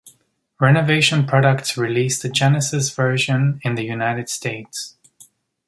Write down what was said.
Renovation Products released the Genesis version in the United States.